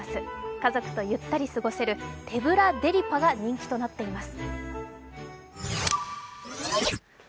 家族とゆったり過ごせる手ぶらデリパが人気となっています。